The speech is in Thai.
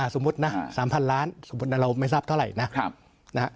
สมมุตินะ๓๐๐ล้านสมมุติเราไม่ทราบเท่าไหร่นะ